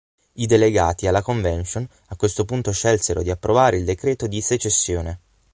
I delegati alla "Convention" a questo punto scelsero di approvare il Decreto di secessione.